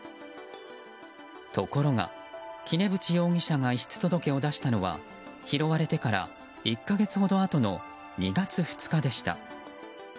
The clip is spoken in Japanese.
ところが、杵渕容疑者が遺失届を出したのは拾われてから１か月ほどあとの２月２日でした。